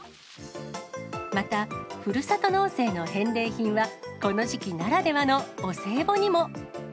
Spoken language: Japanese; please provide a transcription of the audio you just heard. また、ふるさと納税の返礼品は、この時期ならではのお歳暮にも。